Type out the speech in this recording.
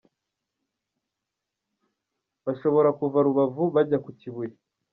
Bashobora kuva Rubavu bajya ku Kibuye.